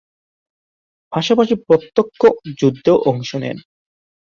পাশাপাশি প্রত্যক্ষ যুদ্ধেও অংশ নেন।